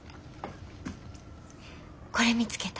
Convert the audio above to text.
これ見つけた。